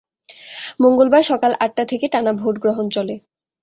মঙ্গলবার সকাল আটটা থেকে টানা ভোট গ্রহণ চলে।